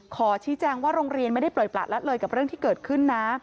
ขอชี้แจงว่าโรงเรียนไม่ได้ปล่อยประละเลยกับเรื่องที่เกิดขึ้นนะ